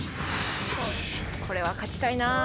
これは勝ちたいなあ。